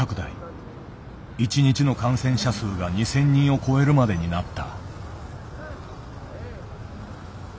１日の感染者数が２，０００人を超えるまでになった。